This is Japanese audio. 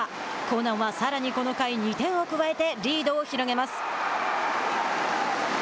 興南は、さらにこの回２点を加えてリードを広げます。